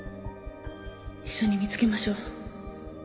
一緒に見つけましょう